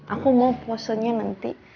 aku mau posenya nanti